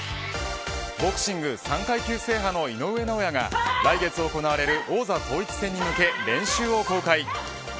ボクシング３階級制覇の井上尚弥が来月行われる王座統一戦に向け練習を公開。